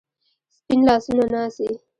سپین لاسونه ناڅي